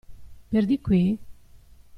Per di qui?